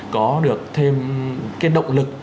có được thêm cái động lực